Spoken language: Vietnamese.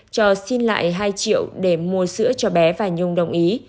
cho xin lại hai triệu để mua sữa cho bé và nhung đồng ý